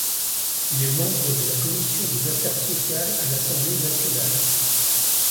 Il est membre de la commission des Affaires sociales à l'Assemblée nationale.